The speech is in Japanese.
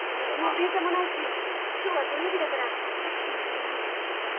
もう電車もないし今日は土曜日だからタクシーも拾えないの。